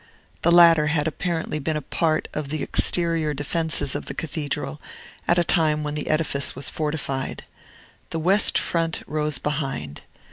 The latter had apparently been a part of the exterior defences of the Cathedral, at a time when the edifice was fortified. The west front rose behind.